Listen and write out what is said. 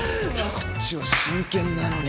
こっちは真剣なのに。